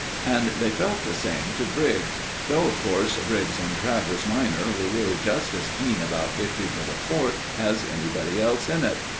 And they felt the same to Briggs, though, of course, Briggs and Travers minor were really just as keen about victory for the Fourth as anybody else in it.